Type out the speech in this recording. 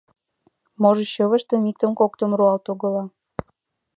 Можыч, чывыштым иктым-коктым руалыт огыла.